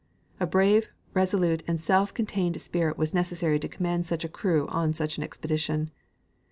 A brave, resolute and self contained spirit was necessary to command such a crew on such an expedition.